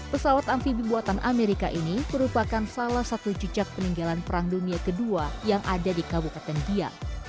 pesawat amfibi buatan amerika ini merupakan salah satu cicak peninggalan perang dunia ii yang ada di kabupaten biak